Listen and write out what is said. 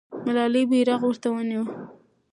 ملالۍ بیرغ ورته نیوه.